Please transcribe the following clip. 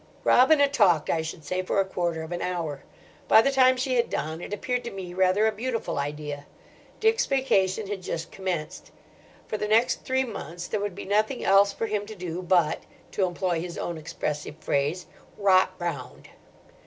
Robina talked, I should say, for a quarter of an hour. By the time she had done, it appeared to me rather a beautiful idea. Dick's vacation had just commenced. For the next three months there would be nothing else for him to do but—to employ his own expressive phrase—"rot round."